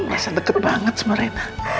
merasa dekat banget sama rena